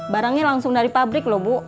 barangnya langsung dari pabrik loh bu